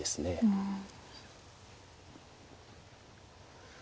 うん。